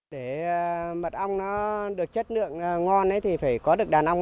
để mật ong nó được chất lượng ngon thì phải có được đàn ong